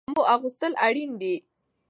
د پاکو جامو اغوستل اړین دي.